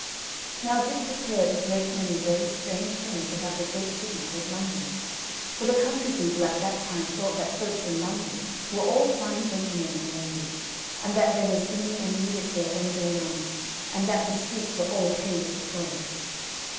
Now Dick had heard a great many very strange things about the great city called London; for the country people at that time thought that folks in London were all fine gentlemen and ladies; and that there was singing and music there all day long; and that the streets were all paved with gold.